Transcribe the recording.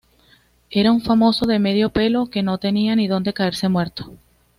Era un famoso de medio pelo que no tenía ni donde caerse muerto